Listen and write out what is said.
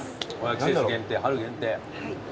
季節限定春限定。